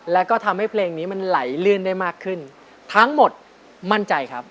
แล้วก็ทำให้เพลงนี้มันไหลลื่นได้มากขึ้นทั้งหมดมั่นใจครับ